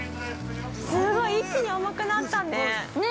すごい、一気に重くなったね。